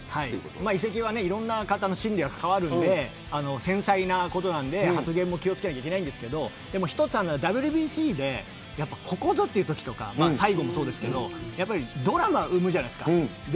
移籍は、いろんな方の心理が関わるので繊細なことなんで、発言も気を付けなきゃいけないですが一つはＷＢＣでここぞというときとかドラマを生むじゃないですか。